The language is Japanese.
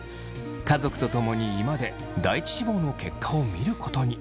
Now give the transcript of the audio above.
家族と共に居間で第１志望の結果を見ることに。